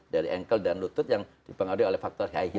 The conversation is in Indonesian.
dari ankle dan lutut yang dipengaruhi oleh faktor high heels tadi